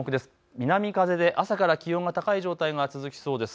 南風で朝、気温が高い状態が続きそうです。